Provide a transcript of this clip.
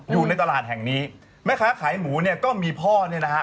อยู่ในตลาดแห่งนี้แม่ค้าขายหมูเนี่ยก็มีพ่อเนี่ยนะฮะ